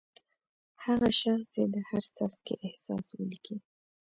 هغه شخص دې د هر څاڅکي احساس ولیکي.